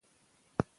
سبا هیڅکله نه راځي.